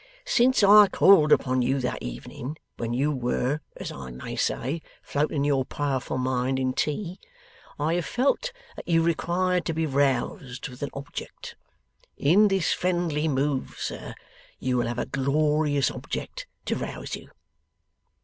Since I called upon you that evening when you were, as I may say, floating your powerful mind in tea, I have felt that you required to be roused with an object. In this friendly move, sir, you will have a glorious object to rouse you.